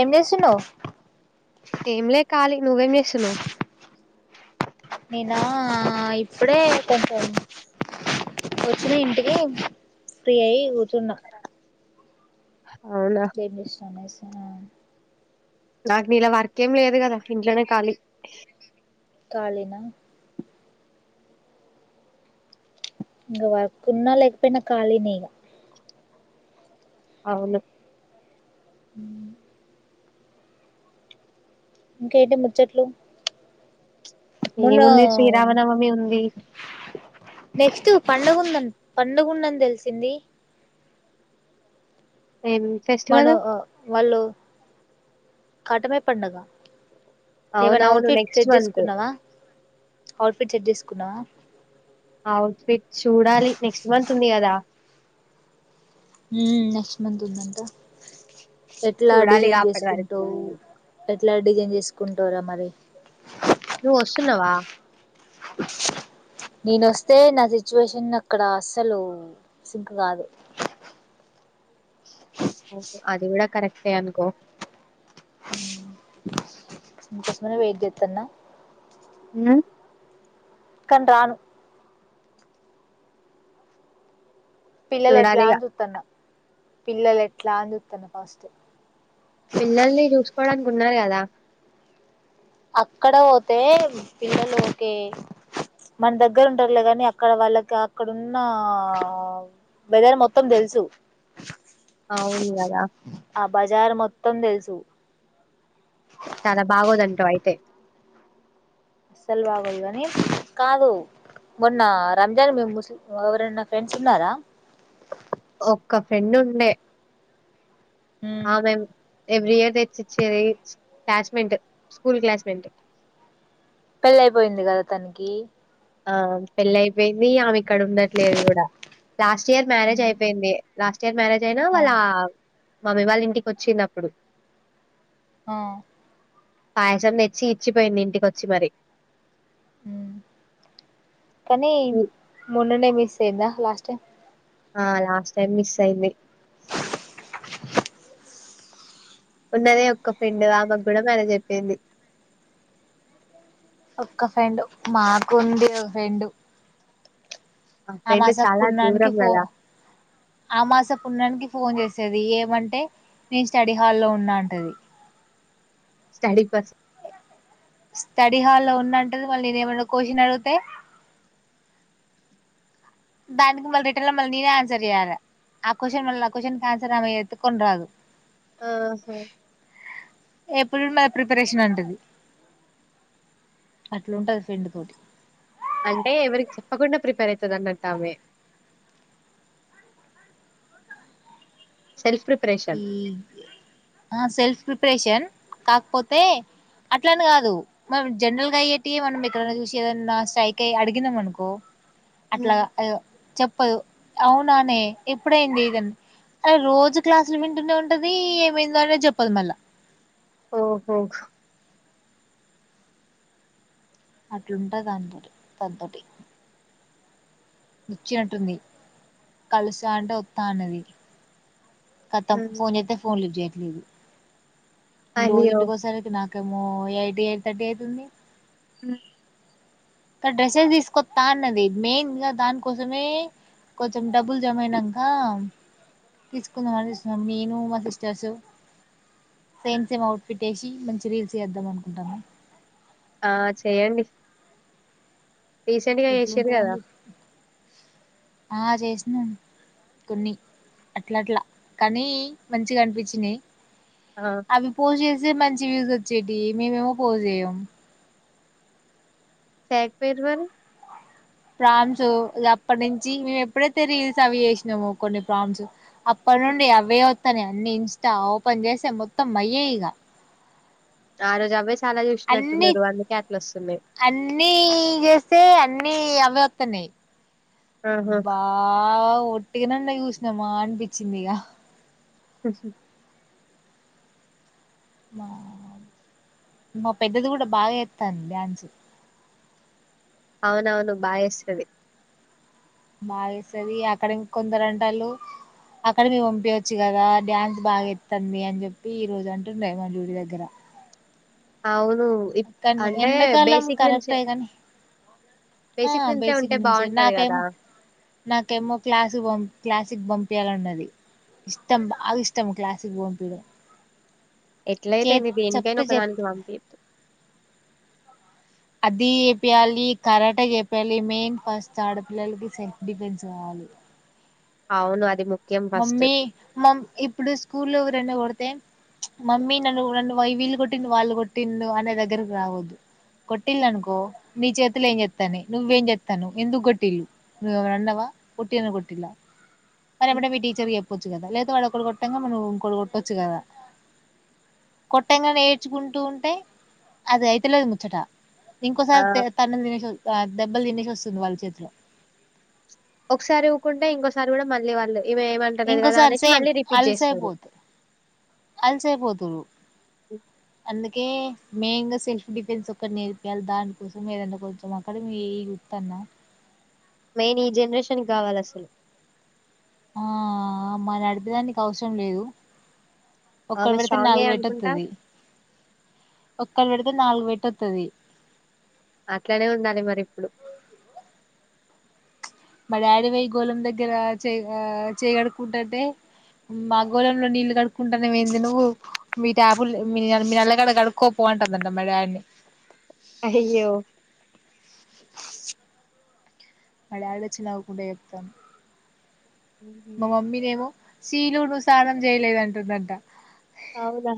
ఏం చేస్తున్నావ్ ఏం లే కాలి నువ్వేం చేస్తున్నావ్ నీనా ఇప్పుడే కొంచం వచ్చిన ఇంటికి ఫ్రీ అయి కూర్చున్నా అవునా ఏం జేషినావ్ నైస్ నాకు నీలా వర్క్ ఏం లేదు కదా ఇంట్లోనే కాళీ కాలిన ఇంగ వర్క్ ఉన్న లేకపోయినా ఖాళీనే ఇగ అవును హ ఇంకేంటి ముచ్చట్లు మొన్న ఏముంది శ్రీరామనవమి ఉంది నెక్స్ట్ పండగ ఉంది ండ పండుగ ఉందని తెలిసింది ఏం మను ఫెస్టివల్ ఆ వాళ్ళు కాటమయ్య పండగ ఏమన్నా అవునవును అవుట్ఫిట్ నెక్స్ట్ చెక్ మంత్ చేసుకున్నావా అఔట్ఫిట్ చెక్ చేసుకున్నావా అఔట్ ఫిట్ చూడాలి నెక్స్ట్ మంత్ ఉంది కదా హ నెక్స్ట్ మంత్ ఉందంతా ఎట్లా చూడాలిగా డిజైన్ అప్పటి వరకు చేసుకుంటావు ఎట్లా డిజైన్ చేసుకుంటావురా మరి నువ్వు వస్తున్నావా నేను వస్తే నా సిచ్యువేషన్ అక్కడ అస్సలు సింక్ కాదు అవును అది కూడా కరెక్టే అనుకో తొందర వెయిట్ చేతన ఉ కానీ రాను పిల్లలు ఎట్లా చూడాలిగా అని చూత్తాన పిల్లలు ఎట్లా అని చూత్తాన ఫస్ట్ పిల్లల్ని చూసుకోవడానికి ఉన్నది కదా అక్కడ పోతే పిల్లలు ఓకే మన దగ్గర ఉంటారులే కాని అక్కడ వాళ్ళకి అక్కడున్న వెదర్ మొత్తం తెలుసు అవును కదా ఆ బజార్ మొత్తం తెలుసు చాలా బాగోదంటావు అయితే అస్సలు బాగదు కాని కాదు మన్నా రంజాన్ ముస్లి ఎవరన్నా ఫ్రెండ్స్ ఉన్నారా ఒక్క ఫ్రెండ్ ఉండే ఆ మై ఎవీ ఇయర్ తెచ్చచ్చేది క్లాస్మెంట్ స్కూల్ క్లాస్మెేంట్ పెళ్ళ అయిపోయింది కదా తనకి ఆ పెళ్లి అయిపోయింది ఆమె ఇక్కడ ఉండట్లేదు కూడా లాస్ట్ ఇయర్ మ్యారేజ్ ఆ అయిపోయింది లాస్ట్ ఇయర్ మ్యారేజ్ అయినా ఆ వాళ్ళ మమ్మీ వాళ్ళ ఇంటికి వచ్చింది అప్పుడు ఆ పాయసం నెచ్చి ఇచ్చిపోయింది ఇంటికొచ్చి మరి కానీ హ్మ్. మొడునే మిస్ అయ్యందా లాస్ట్ ఆ లాస్ట్ టైమ్ మిస్ అయింది ఉన్నదే ఒక్క ఫ్రెండ్ ఆమెకు కూడా మేర చెప్పింది ఒక్క ఫ్రెండు మాకు ఉంది ఓ ఫ్రెండు ఆ ఫ్రెండ్ ఆమాస చాలా పున్నానికి దూరం ఫో గదా అమాస పున్ననికి ఫోన్ చేసి వస్తది ఏమంటే నేను స్టడీ హాల్లో ఉన్నాంటది స్టడీ పస్ట్ స్టడీ హాల్లో ఉన్నంటది మళ్ళీ నేను ఏమన్నా కొశన్ అడిగితే దానికి మళ్ళీ రిటర్న్ లో మళ్ళీ నేనే ఆన్సర్ చేయ్యలే ఆ కొశన్ మళ్ళ ఆ కొశన్ ఆన్సర్ ఆమె ఎత్కోని రాదు ఆహా ఎప్పుడు మరి ప్రిపరేషన్ అంటది అట్లూంటది ఫెండ్ తోటి అంటే ఎవరికి చెప్పకుండా ప్రిపేర్ అయితది అన్నట్టు ఆమె సెల్ఫ్ ప్రిపరేషన్ ఈ ఆ సెల్ఫ్ ప్రిపరేషన్ కాకపోతే అట్లాని కాదు మనం జనరల్గా అయ్యేట్టి మనం ఎక్కడైనా చూసి ఏదన్నా స్ట్రైక్ అయి అడిగినాం అనుకో అట్లా హ్మ్ ఎదో చెప్పు తప్పదు అవునానే ఎప్పుడైంది ఇదంత అరే రోజు క్లాసులు వింటునే ఉంటది ఏమైందో అనేది చెప్పదు మళ్ళా ఓహో అట్లుంటది దాన్తోని తంతటి నచ్చినట్టుంది కలుస్తా అంటే వత్తా అన్నది ఖతం హ్మ్. ఫోన్ జేత్తే ఫోన్ లిఫ్ట్ చేయట్లేదు నేను అయ్యో రోజింటికి వచ్చేసారికి నాకేమో ఎయిట్ ఎయిట్ థర్టీ అవుతుంది అ కాని డ్రెస్సెస్ తీసుకొస్తా అన్నది మెయిన్గ దానికోసమే కొంచెం డబ్బులు జమయినకా తీసుకుందాం అనిజుసినం నేను మా sisters same same outfit వేసి మంచి రీల్స్ చేద్దాం అనుకుంటాన్నాము ఆ చెయ్యండి రీసెంట్ గా చేసిర్రు గదా ఎట్లుంటదండి ఆ చేసిందండి కొన్ని అట్ల అట్లా కానీ మంచిగా అనిపించినయి ఆ అవి పోజ్చేస్తే మంచి వ్యూస్ వచ్చేవి మేమేమో పోజ్ చేయ్యం చేయ్యకపోయిర్రు మరి ప్రామ్స్ అప్పటి నుంచి మేము ఎప్పుడైతే రిల్సు అవి చేసినాము కొన్ని ప్రామ్స్ అ అప్పనుండి అవే వత్తానయి అన్ని ఇన్స్టా ఓపెన్ చేసే మొత్తం అయ్యే ఇగ ఆ రోజావే అన్ని అన్నీ జేస్తే అని అన్ని అవే వత్తనయి ఆహా! వావ్ ఒట్టిగానన్నా చూసినామా అనిపించింది ఇగ సాసు మా మా పెద్దది కూడా బాగా ఎస్తాంది డాన్స్ అవునవును బాయస్తది బాగేస్తది అక్కడ ఇంకొందరు అంటలు అకాడమి పంపియచ్చు కదా డ్యాన్స్ బాగా ఎత్తంది అని చెప్పి ఈ రోజు అంటుండే మా డూటీ దగ్గర అవును కానీ ఇప్అంటే ఎండాకాలం బేసిక్ నుంచే కరెక్టే గాని ఆ నుంచే బేసిక్ ఉంటే నుంచే బావుంటది గదా! నాకేమో నాకేమో క్లాస్ కి పంపియ క్లాస్ క్లాసిక్ పంపియాలన్నది ఇష్టం బాగా ఇష్టం క్లాసిక్ పంపియడం చే ఎట్లయితేంది దేనికైనా చెప్తే ఒక చే దానికి పంపియ అది చెపియాలి కరాట చెపియాలి మెయిన్ ఫస్ట్ ఆడపిల్లలకి సెల్ఫ్ డిఫెన్స్ కావాలి ఆవును అది ము మమ్మీ మం ఇప్పుడు స్కూల్లో ఎవరన్న కొడితే మమ్మీ నన్ను నన్ను వీళ్ళు కొట్టింది వాళ్ళు కొట్టింది అనే దగ్గరకి రావదు కొట్టిల్ అనుకో నీ చేతుల ఏం చెప్త్తాే నువ్వేం చెప్స్తా ఎందుకు కొట్టిల్లువ అన్నవ కుటి కుట్టి మడ హ్మ్. టీచర్ చెప్పొచ్చు కదా లేదా వాడు ఒకడు కొట్టంగా మనం ఇంకోటి కొట్టొచ్చు కదా కొట్టంగానే ఏేడ్చుకుంటూ ఉంటే అది అయితులేదు ముచ్చట ఆ! ఇంకోసారి తన్నలు తినేసి దెబ్బలు తినేసి వస్తుంది వాళ్ళ చేతిలో ఒకసారి ఊ్కుంటే ఇంకోసారి కూడా మళ్ళీ వాళ్ళు ఇవి ఏమంటలేదు కదా ఇంకోసారి అనేసి మళ్ళీ రిపీట్ చేస్తారు అల్సయపోతురు హ్మ్. అందు కే మెయిన్ గా సెల్ఫ్ డిఫెన్స్ ఒక్కడ నేర్పియాలి దానికోసం ఏద కొంచెం అక్కడ త్ అన్నా మెయిన్ ఈ జనరేషన్ కావాలి అసలు ఆ మ నడిపదానికి అవసరం లేదు ఒకరు ఆమె పెడితే స్ట్రాంగే నాలుగు పెట్ అనుకుంటా వతుది పక్కలు వెడుతే నాలుగు వెట్ వతుది అట్లనే ఉండాలి మరి ఇప్పుడు మా డాడీ వై గోళం దగ్గర చే ఆ చేయగడుకుంటట్టే మా గోళంలో నీళ్లుు కడుక్కుంటానే ఏంది నువ్వు మీ ట్యాపు మీ నల్లగాడ కడుక్కకోపోవ ంట మగా అన్ని అయ్యో ఆ మళయాళ వచ్చిినవ్వకుండా చెప్తాను హుహు. మా మమ్మీనే ఏమో శీలును సానం చేయలేదంటుందంట అవుదా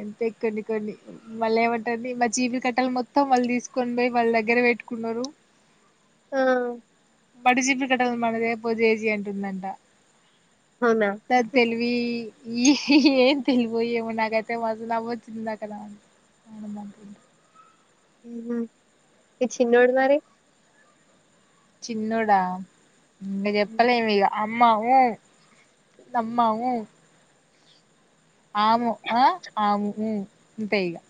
ఎంతే కొన్ని కొన్ని మళ్ళ ఏమంటుంది మా జీవి కట్టలు మొత్తం మళ్ళీ తీసుకొని పోయిళ్ళ దగ్గర పెట్టుకున్నారు ఆ మడిజీపు కట్టల మనదే పో జే జీంటందాంటా అవునా! సది తెలువి ఈ ఏం తెలిపోయ ఏమో నాకైతే మాస నవ వచ్చిందిందాక అవునందంటడి నా ఈ చిన్నోడు మారే చిన్నడా ఇంకా చెప్పలేమి ఇక అమ్మ అమ్మ ఆము ఆ పైగా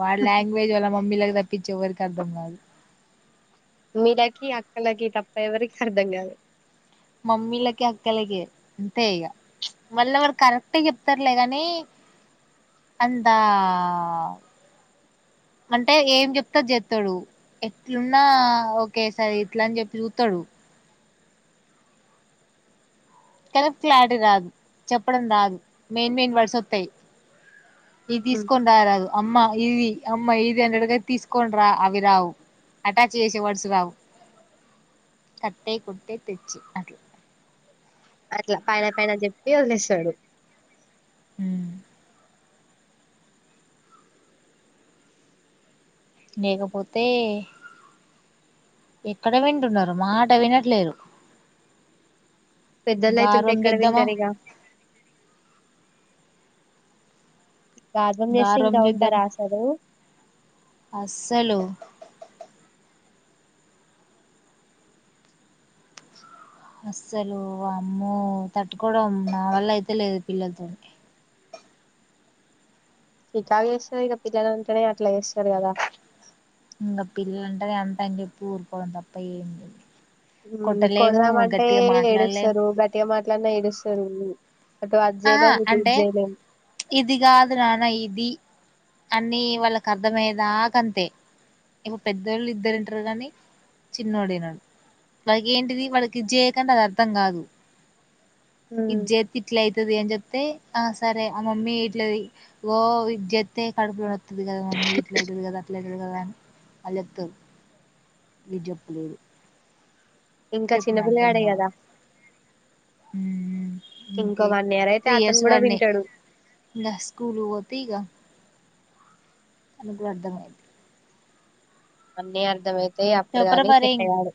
వాళ లాంగ్వేజ్ వాల మమ్మీ తప్పించవరికి అర్థం కాదు మీళకి అక్కలకి తప్ప ఎవరికి అర్థం కాదు మమ్మీలకి అక్కలకి అంతే ఇక మళ్ళ వాారు కరెక్ట్ చెప్తారులేగాని అంద అంటే ఏం చెప్తా చెతాడు ఎట్లున్నా ఒకఓే సారి ఇట్ల అని చెప్పి చూతాడు కనుక క్లారిటీ రాదు చెప్పడం రాదు మెయిన్ మెయిన్ వడిస వస్తాయి ఈ ఉహు తీస్కంటారదు అమ్మ ఇవి అమ్మ ఇది అండ్రడ్గా తీసుకోం రా అవి రావు అటాచ్ చేసే వర్డ్స్ రావు కట్టే కుట్టే తెచ్చి అట్లా అట్లా పైన పైన చెప్పి వదిలేస్తాడు అ లేకపోతే ఎక్కడే వింటున్నారు మా ఆట వినట్లేరు పెద్దోళ్ళు అయితుంటే దార్వం ఎక్కడ చేద్దామా వింటారు ఇక గార్బం చేస్తే గార్వం ఇంకా చేద్దామా ఉంటారాసదు అస్సలు అస్సలు అమ్మ తట్టుకోవడం నా వల్ల అయితే లేదు పిల్లలతో చికాగా చేస్తారు ఇక పిల్లలు ఉంటేనే అట్లా చేస్తారు కదా ఇంకా పిల్లలుంటే ఎంత అని చెప్పి ఊరుకోవడం తప్ప ఏంటి కొడదామ అంటే మాట్లాడలేము ఏడుస్తారు గట్టిగా మాట్లాడిన ఏడుస్తారు అటు అది ఆహా చేయలేం ఇటు ఇది అంటే చేయలేం ఇది కాదు నానా ఇది అన్నీ వాళ్ళకు అర్థమయ్యదాకంతే ఇప్పు పెద్దవాళ్ళు ఇద్దరుంటారు కానీ చిన్నోడనాడు వాళ్కి ఏంటిది వాళ్ళకి ఇ చేయకంటే అది అర్థం కాదు ఉమ్ ఇది తిట్లయితే ఏం చెప్తే ఆ సరే ఆ మమ్మీ ఇట్ల ోత్తే కడుపులో వస్తుది కదా మమ్మీ వీటి అతేడుగా అట్లాతేగాద అల్తే విజప్పులేరు ఇంకా చిన్నపిల్ల ఆడే కదా హ ఇంకో ఇకే వన్ ఇయర్ అయితే త్రీ అతను ఇయర్స్ కూడా వింటాడు ప స్కూలు పోతగా అనుకు అర్థమయింది అన్నీ అర్ధమయితే అప్పుడు చెప్పరా గాని మరి చెట్ అయ్యాడు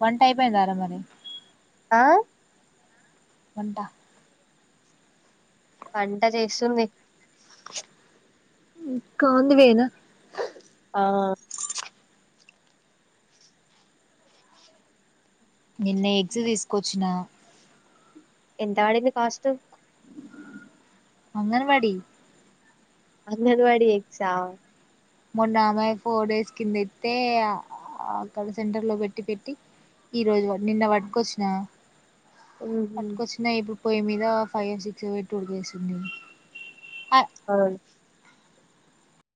వన్ టైప్ అయింది అారా మరి ఆ వంటా పంట చేస్తుంది కా ద వేద ఆ నిన్న ఎగ్స్ తీసుకొచ్చిన ఎంతాడిని కాస్ట్ అంగన్వాడి అంగన్వాడి ఎక్సా మొన్న అమాయి ఫోర్ డేస్ కింద ఎయితే అక్కడ సెంటర్ లో పెట్టి పెట్టి ఈ రోజు నిన్న పడ్కొచ్చినా మ్మ్ఉహ్మ్ అటుకొచ్చినా ఇప్పుడు పొయ్యి మీద ఫైవ్ సిక్స్ ఎయి టూర్కి వేస్తుంది ఆ